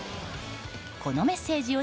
このメッセージを